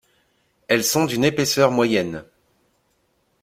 Elles sont d'une épaisseur moyenne.